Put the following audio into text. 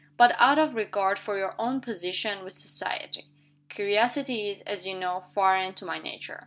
but out of regard for your own position with Society. Curiosity is, as you know, foreign to my nature.